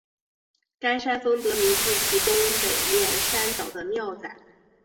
该山峰得名自其东北面山脚的庙仔。